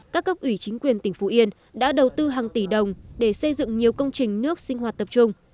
các cấp ủy chính quyền tỉnh phú yên đã đầu tư hàng tỷ đồng để xây dựng nhiều công trình nước sinh hoạt tập trung